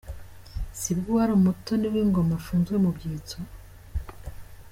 Si bwo uwari umutoni w’ingoma afunzwe mu byitso ?